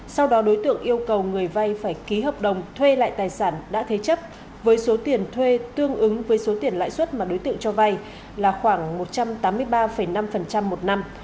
sau đó đối tượng yêu cầu người vay phải ký hợp đồng thuê lại tài sản đã thế chấp với số tiền thuê tương ứng với số tiền lãi suất mà đối tượng cho vay là khoảng một trăm tám mươi ba năm một năm